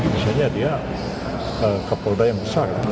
misalnya dia kapolda yang besar